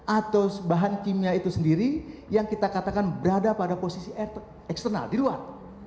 atau bahan kimia itu sendiri yang kita katakan berada pada posisi eksternal di luar